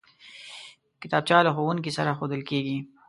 کتابچه له ښوونکي سره ښودل کېږي